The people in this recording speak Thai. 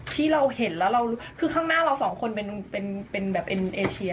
ที่เราเห็นแล้วเรารู้คือข้างหน้าเราสองคนเป็นแบบเป็นเอเชีย